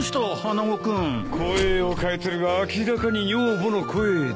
声を変えてるが明らかに女房の声だ。